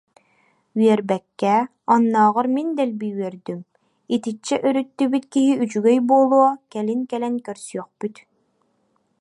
Үөрбэккэ, оннооҕор мин дэлби үөрдүм, итиччэ өрүттүбүт киһи үчүгэй буолуо, кэлин кэлэн көрсүөхпүт